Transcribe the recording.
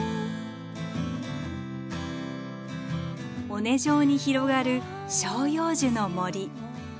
尾根上に広がる照葉樹の森。